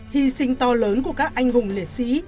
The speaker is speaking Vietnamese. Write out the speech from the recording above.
hy sinh to lớn của các anh hùng liệt sĩ